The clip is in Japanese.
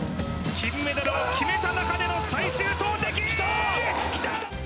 金メダルを決めた中での最終投てき！